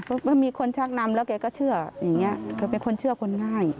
ก็มีคนชักนำแล้วแกก็เชื่ออย่างนี้แกเป็นคนเชื่อคนง่าย